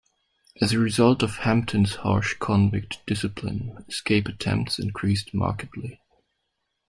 As a result of Hampton's harsh convict discipline, escape attempts increased markedly.